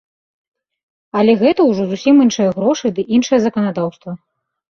Але гэта ўжо зусім іншыя грошы ды іншае заканадаўства.